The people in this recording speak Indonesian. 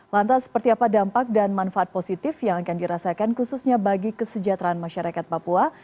lantas seperti apa dampak dan manfaat positif yang akan dirasakan khususnya bagi kesejahteraan masyarakat papua